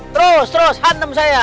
terus terus hantem saya